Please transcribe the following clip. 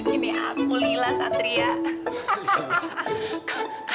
ini aku lila satria